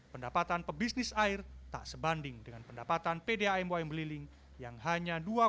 pendapatan pebisnis air tak sebanding dengan pendapatan pdam ym beliling yang hanya rp dua tujuh miliar